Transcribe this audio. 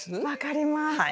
分かります。